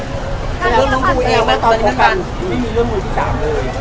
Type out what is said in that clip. เรื่องวันที่สามไม่มีเรื่องวันที่สามเลย